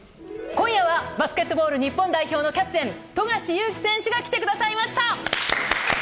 今夜はバスケットボール日本代表のキャプテン富樫勇樹選手が来てくださいました！